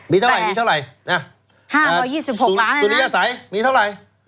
มีเท่าไหร่มีเท่าไหร่นะ๕๒๖ล้านสุริยสัยมีเท่าไหร่